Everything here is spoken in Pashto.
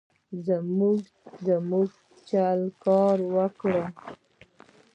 زموږ چل کار ورکړ.